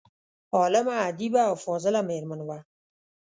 عالمه، ادیبه او فاضله میرمن وه.